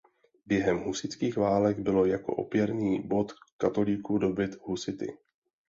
Během husitských válek byl jako opěrný bod katolíků dobyt husity.